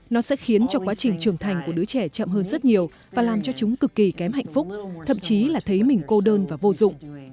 nó sẽ khiến cho quá trình trưởng thành của đứa trẻ chậm hơn rất nhiều và làm cho chúng cực kỳ kém hạnh phúc thậm chí là thấy mình cô đơn và vô dụng